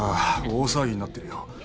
大騒ぎになってるよ。